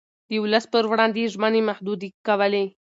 د ولس پر وړاندې يې ژمنې محدودې کولې.